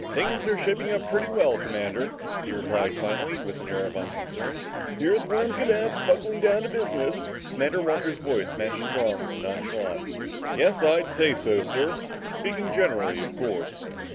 "Things are shaping up pretty well, Commander," he replied, finally, with an air of unconcern. "The Earthworm units buckling down to business?" Commander Walters' voice matched Strong's in nonchalance. "Yes, I'd say so, sir. Speaking generally, of course."